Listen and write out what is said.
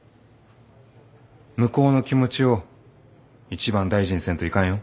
向こうの気持ちを一番大事にせんといかんよ。